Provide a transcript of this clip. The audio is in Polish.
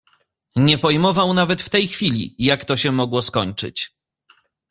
"Nie pojmował nawet w tej chwili, jak to się mogło skończyć."